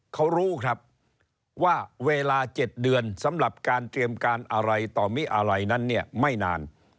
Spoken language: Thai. เขารู้ครับว่าเวลา๗เดือนสำหรับการเตรียมการอะไรต่อมิอะไรนั้นเนี่ยไม่นาน